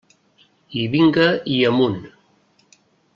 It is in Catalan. I vinga i amunt.